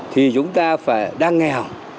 thì chúng ta phải đang nghèo